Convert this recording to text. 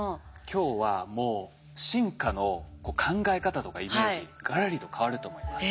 今日はもう進化の考え方とかイメージガラリと変わると思います。